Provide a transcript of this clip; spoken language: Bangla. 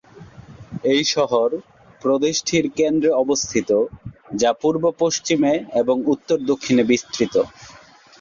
এই শহর প্রদেশটির কেন্দ্রে অবস্থিত যা পূর্ব-পশ্চিমে এবং উত্তর-দক্ষিণে বিস্তৃত।